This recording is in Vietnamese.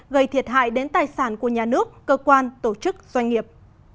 gây thiệt hại đến tài sản của nhà nước cơ quan tổ chức doanh nghiệp